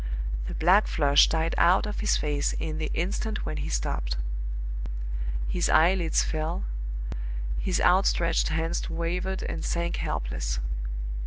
The black flush died out of his face in the instant when he stopped. His eyelids fell, his outstretched hands wavered and sank helpless.